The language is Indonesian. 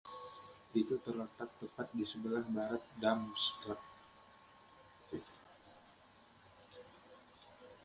Itu terletak tepat di sebelah barat Darmstadt.